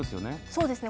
そうですね。